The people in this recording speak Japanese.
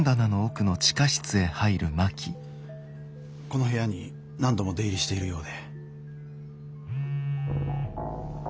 この部屋に何度も出入りしているようで。